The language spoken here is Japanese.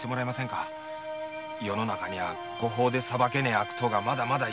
世の中には御法で裁けぬ悪党がまだまだいやがる。